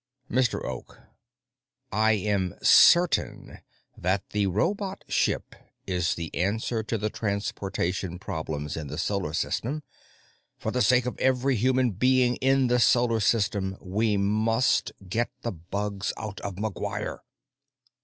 "Mr. Oak, I am certain that the robot ship is the answer to the transportation problems in the Solar System. For the sake of every human being in the Solar System, we must get the bugs out of McGuire!"